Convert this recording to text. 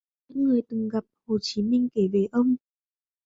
Những người từng gặp Hồ Chí Minh kể về ông